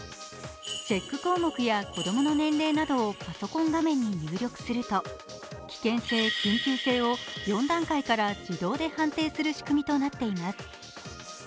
チェック項目や子供の年齢などをパソコン画面に入力すると危険性・緊急性を４段階から自動で判定する仕組みとなっています。